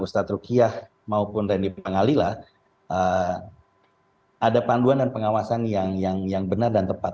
ustadz rukiyah maupun reni pangalila ada panduan dan pengawasan yang yang yang benar dan tepat